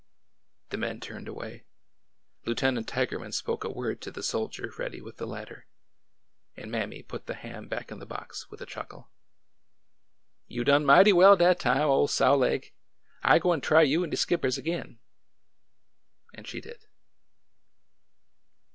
The men turned away. Lieutenant Tigerman spoke a word to the soldier ready with the ladder, and Mammy put the ham back in the box with a chuckle. A DAY OF SOWING 215 '' You done mighty well dat time, ole sow leg ! I gwine try you an' de skippers ag'in !" And she did.